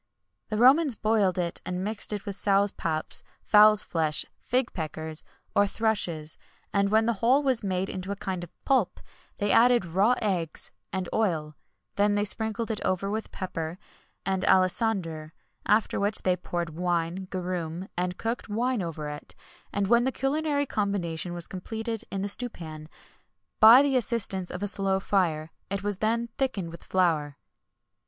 [XXI 138] The Romans boiled it and mixed it with sows' paps, fowls' flesh, fig peckers, or thrushes; and when the whole was made into a kind of pulp, they added raw eggs and oil; then they sprinkled it over with pepper and alisander; after which they poured wine, garum, and cooked wine over it; and when the culinary combination was completed in the stewpan, by the assistance of a slow fire, it was then thickened with flour.